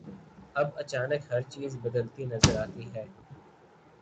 اب اچانک ہر چیز بدلتی نظر آتی ہے۔